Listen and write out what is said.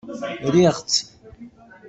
Riɣ-tt.